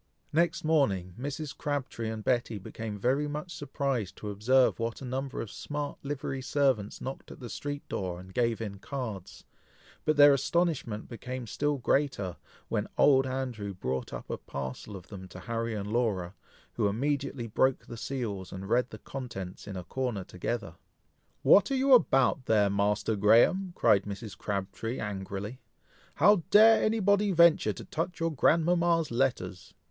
Next morning, Mrs. Crabtree and Betty became very much surprised to observe what a number of smart livery servants knocked at the street door, and gave in cards, but their astonishment became still greater, when old Andrew brought up a whole parcel of them to Harry and Laura, who immediately broke the seals, and read the contents in a corner together. "What are you about there, Master Graham?" cried Mrs. Crabtree, angrily, "how dare any body venture to touch your grandmama's letters?"